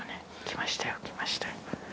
来ましたよ来ましたよ。